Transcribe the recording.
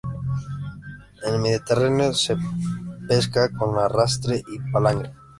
En el mediterráneo se pesca con arrastre y palangre.